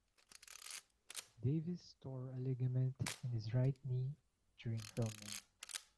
Davis tore a ligament in his right knee during filming.